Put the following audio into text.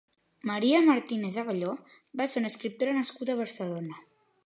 Maria Martínez Abelló va ser una escriptora nascuda a Barcelona.